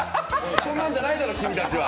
こんなんじゃないだろ、君たちは。